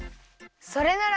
それなら。